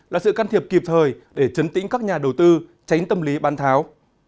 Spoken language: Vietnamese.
là sự can thiệp kịp thời để chấn tĩnh các nhà đầu tư tránh tâm lý ban tháo